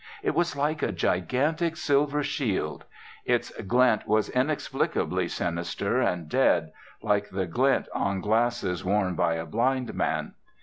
It was like a gigantic silver shield. Its glint was inexplicably sinister and dead, like the glint on glasses worn by a blind man.